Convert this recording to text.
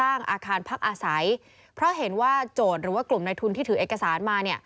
อาศัยเพราะเห็นว่าโจทย์หรือกลุ่มนายทุนที่ถือเอกสารมา